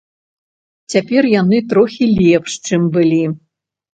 Цяпер яны трохі лепш, чым былі.